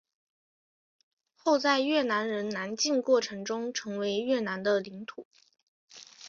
后在越南人南进过程中成为越南的领土。